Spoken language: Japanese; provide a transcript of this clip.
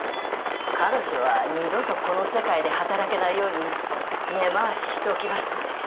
彼女は二度とこの世界で働けないように根回ししておきますので。